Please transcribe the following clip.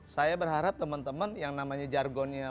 saya berharap temen temen yang namanya jargonnya